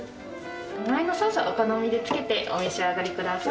周りのソースはお好みでつけてお召し上がりください。